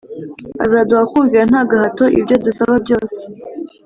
. Azaduha kumvira nta gahato ibyo adusaba byose